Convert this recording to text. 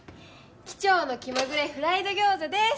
機長の気まぐれフライド餃子です。